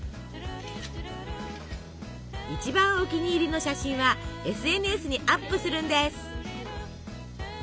一番お気に入りの写真はＳＮＳにアップするんです！